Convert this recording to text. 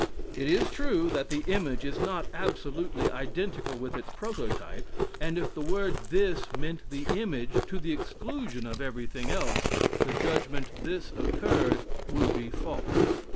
It is true that the image is not absolutely identical with its prototype, and if the word "this" meant the image to the exclusion of everything else, the judgment "this occurred" would be false.